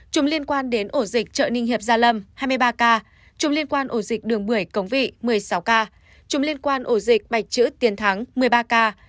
chủng liên quan đến ổ dịch chợ ninh hiệp gia lâm hai mươi ba ca chủng liên quan ổ dịch đường một mươi cống vị một mươi sáu ca chủng liên quan ổ dịch bạch chữ tiên thắng một mươi ba ca